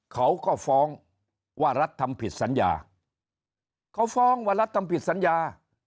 เขาก็ฟ้องว่ารัฐทำผิดสัญญาเขาฟ้องว่ารัฐทำผิดสัญญา